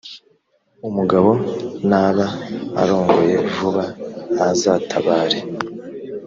umugabo naba arongoye vuba, ntazatabare,